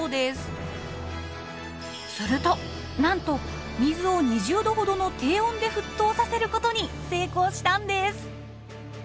するとなんと水を２０℃ほどの低温で沸騰させることに成功したんです！